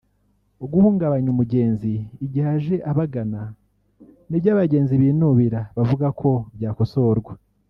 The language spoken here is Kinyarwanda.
guhungabanya umugenzi igihe aje abagana nibyo abagenzi binubira bavuga ko byakosorwa